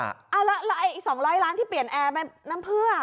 อะไร๒๐๐ล้านที่เปลี่ยนแอร์ไปน้ำเพื่อ